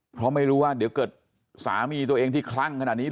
เพราะไม่รู้ว่าเดี๋ยวเกิดสามีตัวเองที่คลั่งขนาดนี้